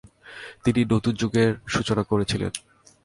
তিনি নতুন যুগের সূচনা করেছিলেন।